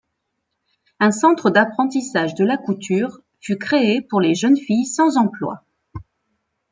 Un centre d'apprentissage de la couture fut créé pour les jeunes filles sans emploi.